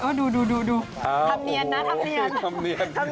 โอ้ยดูทำเนียนนะทำเนียน